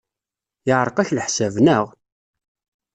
Yeɛreq-ak leḥsab, naɣ?